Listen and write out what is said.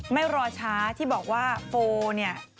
ไม่รอช้าที่บอกว่าโฟเนี่ย